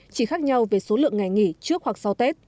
chỉ khác nhau về số lượng ngày nghỉ trước hoặc sau tết